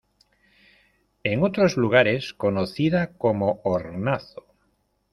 En otros lugares conocida como hornazo.